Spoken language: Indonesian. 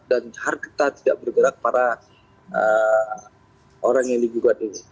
dan harta tidak bergerak para orang yang digugat ini